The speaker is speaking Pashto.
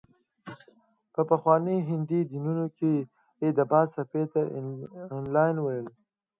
په پخواني هندي دینونو کې د باد څپې ته انیلا ویل